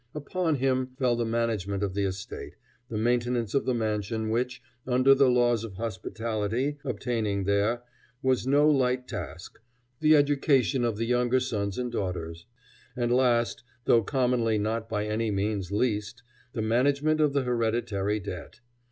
Upon him fell the management of the estate; the maintenance of the mansion, which, under the laws of hospitality obtaining there, was no light task; the education of the younger sons and daughters; and last, though commonly not by any means least, the management of the hereditary debt.